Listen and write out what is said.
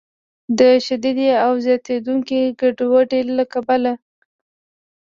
د شدیدې او زیاتیدونکې ګډوډۍ له کبله